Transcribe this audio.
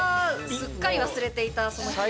すっかり忘れていたその機能を。